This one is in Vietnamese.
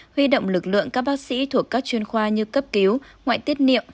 huy động lực lượng các bác sĩ thuộc các chuyên khoa như cấp cứu ngoại tiết niệm